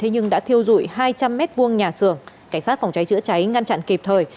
nhưng đã thiêu dụi hai trăm linh m hai nhà xưởng cảnh sát phòng cháy chữa cháy ngăn chặn kịp thời